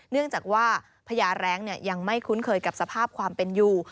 เนื่องจากว่าพญาแรงยังไม่คุ้นเคยกับสภาพความเป็นอยู่